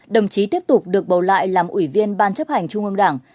đồng chí tiếp tục được bầu lại làm ủy viên ban chấp hành trung ương đảng